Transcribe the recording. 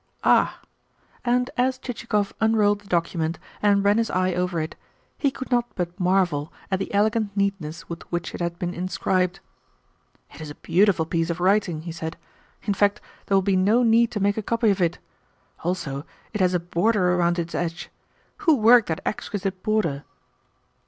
"Ah!" And as Chichikov unrolled the document and ran his eye over it he could not but marvel at the elegant neatness with which it had been inscribed. "It is a beautiful piece of writing," he said. "In fact, there will be no need to make a copy of it. Also, it has a border around its edge! Who worked that exquisite border?"